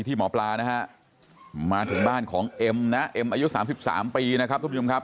ที่หมอปลานะครับมาถึงบ้านของเอ็มนะเอ็มอายุ๓๓ปีนะครับท่านผู้ชายคนนี้ครับ